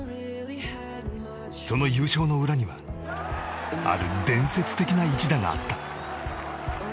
その優勝の裏にはある伝説的な一打があった。